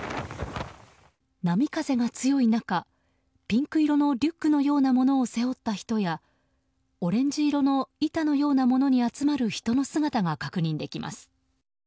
波風が強い中ピンク色のリュックのようなものを背負った人やオレンジ色の板のようなものに集まる人の姿が確認できます。